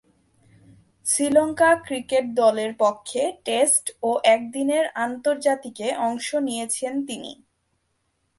Sri Lanka cricket দলের পক্ষে test ও একদিনের আন্তর্জাতিকে অংশ নিয়েছেন তিনি।